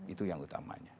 itu yang utamanya